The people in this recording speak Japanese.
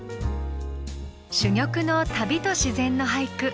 珠玉の「旅と自然」の俳句。